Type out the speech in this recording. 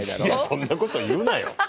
いやそんなこと言うなよ。